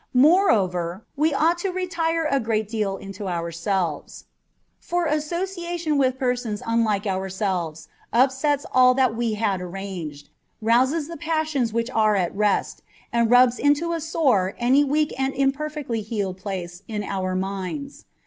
Moreover, we ought to retire a great deal into ourselves : for association with persons unlike ourselves upsets all that we had arranged, rouses the passions which were at rest, and rubs into a sore any weak or imperfectly healed place in our minds.